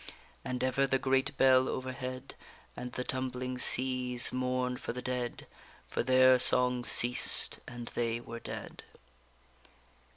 _And ever the great bell overhead, And the tumbling seas mourned for the dead; For their song ceased, and they were dead.